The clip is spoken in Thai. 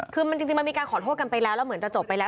คือจริงมันมีการขอโทษกันไปแล้วแล้วเหมือนจะจบไปแล้ว